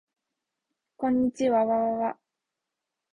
こんにちわわわわ